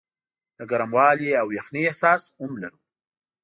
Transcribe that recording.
د ګرموالي او یخنۍ احساس هم لرو.